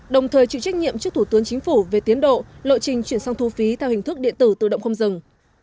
đồng thời chịu trách nhiệm trước thủ tướng chính phủ về tiến độ lộ trình chuyển sang thu phí theo hình thức điện tử tự động không dừng